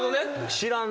知らん？